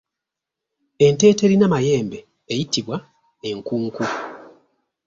Ente eterina mayembe eyitibwa Enkunku.